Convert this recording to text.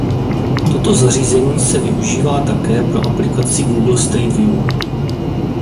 Toto zařízení se využívá také pro aplikaci Google Street View.